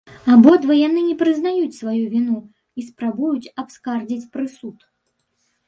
Абодва яны не прызнаюць сваю віну і спрабуюць абскардзіць прысуд.